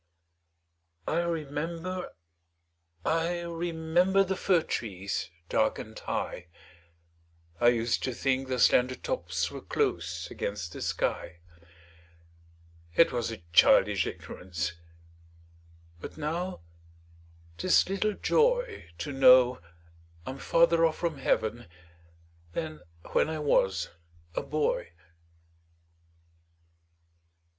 I remember, I remember, The fir trees dark and high; I used to think their slender tops Were close against the sky: It was a childish ignorance, But now 'tis little joy To know I'm farther off from Heav'n Than when I was a boy.